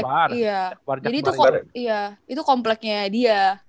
iya jadi itu kompleknya dia